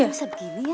gak bisa begini ya